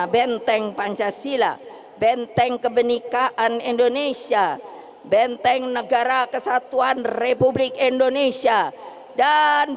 benteng pancasila benteng kebenikaan indonesia benteng negara kesatuan republik indonesia dan